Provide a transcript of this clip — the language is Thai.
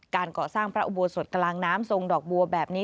การก่อสร้างพระอุโบสถกลางน้ำทรงดอกบัวแบบนี้